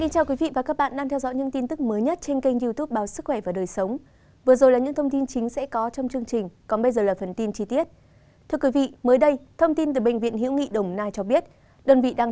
các bạn hãy đăng kí cho kênh lalaschool để không bỏ lỡ những video hấp dẫn